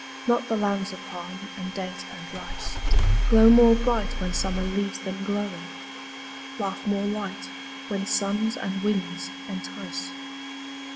Not the lands of palm and date and rice Glow more bright when summer leaves them glowing, Laugh more light when suns and winds entice.